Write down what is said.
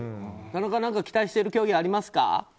田中、何か期待している競技ありますか？